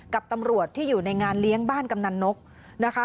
กับตำรวจที่อยู่ในงานเลี้ยงบ้านกำนันนกนะคะ